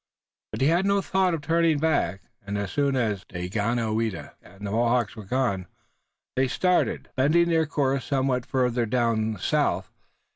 But he had no thought of turning back, and, as soon as Daganoweda and the Mohawks were gone, they started, bending their course somewhat farther toward the south.